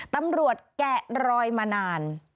ตำรวจแกะรอยมานาน